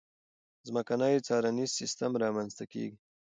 ځمکنی څارنیز سیستم رامنځته کېږي.